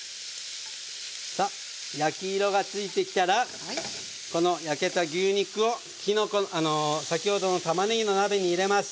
さあ焼き色がついてきたらこの焼けた牛肉を先ほどのたまねぎの鍋に入れます。